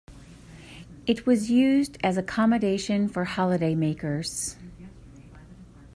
It was used as accommodation for holiday makers.